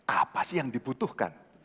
apa sih yang dibutuhkan